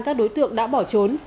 các đối tượng đã bỏ trốn